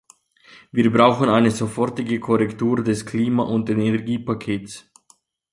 Wir brauchen eine sofortige Korrektur des Klima- und Energiepakets.